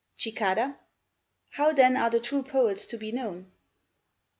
Cicada How then are the true poets to be known?